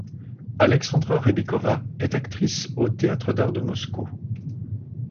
Alexandra Rebikova est actrice au Théâtre d'art de Moscou.